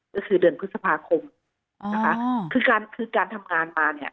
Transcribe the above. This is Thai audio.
ก็คือเดือนพฤษภาคมนะคะคือการคือการทำงานมาเนี่ย